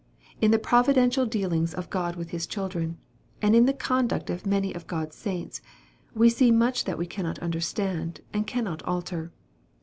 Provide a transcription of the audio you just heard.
In the providential dealings of God with His children, and in the conduct of many of God's saints, we see much that we cannot understand and cannot alter.